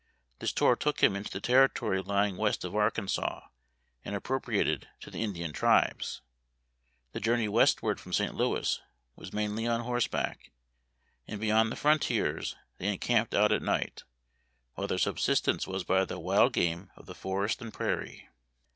This tour took him into the territory lying west of Arkansas, and appropriated to the Indian tribes. The journey westward from St. Louis was mainly on horse back, and beyond the frontiers they encamped out at night, while their subsistence was by the wild game of the forest and prairie.